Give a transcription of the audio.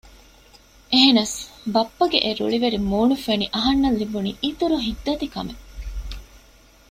އެހެންނަސް ބައްޕަގެ އެ ރުޅިވެރި މޫނު ފެނި އަހަންނަށް ލިބުނީ އިތުރު ހިތްދަތިކަމެއް